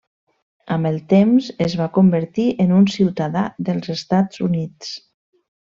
Amb el temps es va convertir en un ciutadà dels Estats Units.